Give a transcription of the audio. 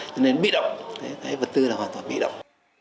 cho nên bị động cái vật tư là hoàn toàn bị động